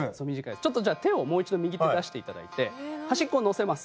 ちょっとじゃあ手をもう一度右手出していただいて端っこ載せます。